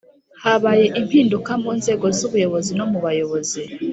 Habaye impinduka mu nzego z buyobozi no mu bayobozi